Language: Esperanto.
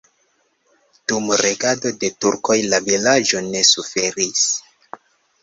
Dum regado de turkoj la vilaĝo ne suferis.